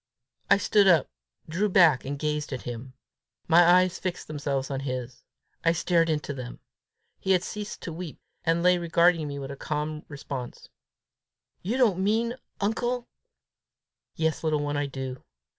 I stood up, drew back, and gazed at him. My eyes fixed themselves on his. I stared into them. He had ceased to weep, and lay regarding me with calm response. "You don't mean, uncle, ?" "Yes, little one, I do.